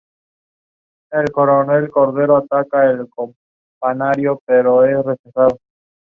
His Greek hymns were often associated with the hymns of Severus.